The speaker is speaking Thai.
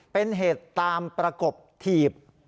เป็นเหตุตามประกบถีบ